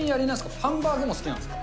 ハンバーグも好きなんですか？